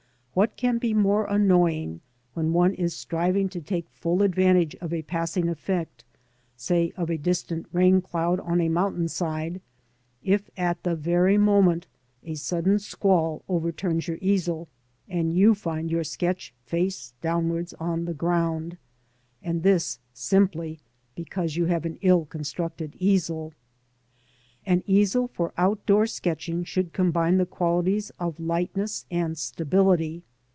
What can be ^ore annoying, when one is striving to take full advantage of a passing effect, say of a distant rain cloud on a mountain side, if at the very moment a sudden squall overturns your easel, and you find your sketch face downwards on the ground; and this simply because you have an ill constructed easel ? An easel for out door sketching should combine the qualities of lightness and stability.